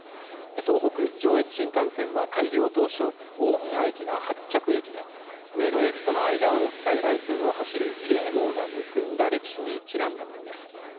東北・上越新幹線は、開業当初、大宮駅が発着駅で、上野駅との間を在来線を走るリレー号が結んだ歴史にちなんだものです。